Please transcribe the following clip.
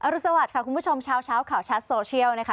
รุสวัสดิค่ะคุณผู้ชมเช้าข่าวชัดโซเชียลนะคะ